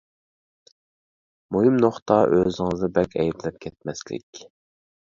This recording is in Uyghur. مۇھىم نۇقتا ئۆزىڭىزنى بەك ئەيىبلەپ كەتمەسلىك.